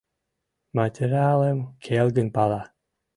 Материалым келгын пала.